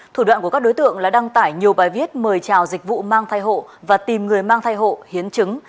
thủ đoạn của các đối tượng là đăng tải nhiều bài viết mời chào dịch vụ mang thai hộ và tìm người mang thai hộ hiến chứng